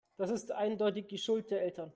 Das ist eindeutig die Schuld der Eltern.